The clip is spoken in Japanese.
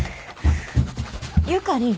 ゆかりん。